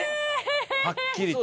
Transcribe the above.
はっきりと。